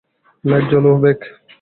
Light জালো, bake.